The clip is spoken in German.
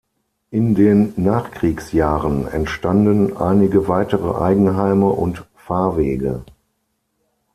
In den Nachkriegsjahren entstanden einige weitere Eigenheime und Fahrwege.